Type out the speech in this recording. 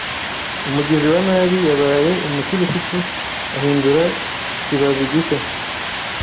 Umugizi wa nabi yabaye umukirisitu ahindura ikibabi gishya.